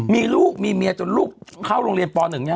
มีลูกมีเมียจนลูกเข้ารุงเรียนป๑ยัง